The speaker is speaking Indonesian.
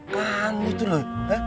kan gitu loh